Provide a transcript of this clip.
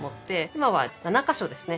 今は７か所ですね。